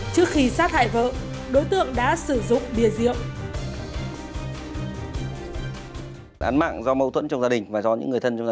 trước khi sát hại vợ đối tượng đã sử dụng bia rượu